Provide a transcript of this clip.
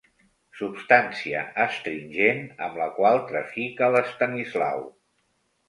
Substància astringent amb la qual trafica l'Estanislau.